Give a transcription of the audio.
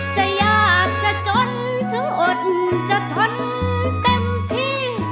จะยากจะจนถึงอดจะทนเต็มที่